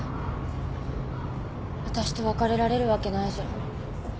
わたしと別れられるわけないじゃん。